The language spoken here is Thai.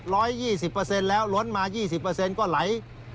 ยี่สิบเปอร์เซ็นต์แล้วล้นมายี่สิบเปอร์เซ็นต์ก็ไหล